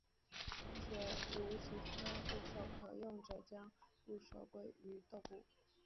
且无其他部首可用者将部首归为豆部。